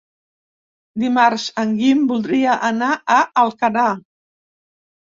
Dimarts en Guim voldria anar a Alcanar.